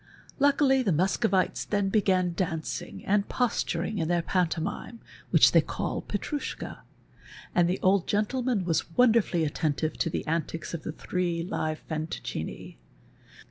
Luckily, the Muscovites then began dancing and posturing in their pantomime which they call Fetrouchka and the old gcntlenian was wonderfully 1«> V 2 PASTICHE AND PREJUDICE attentive to the antics of the three live fantoccini.